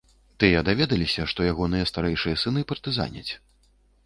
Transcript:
Тыя даведаліся, што ягоныя старэйшыя сыны партызаняць.